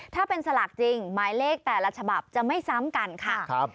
ถ้าเป็นสลากจริงหมายเลขแต่ละฉบับจะไม่ซ้ำกันค่ะ